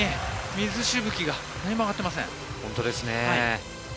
水しぶきが上がっていません。